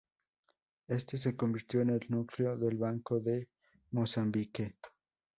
Este se convirtió en el núcleo del Banco de Mozambique.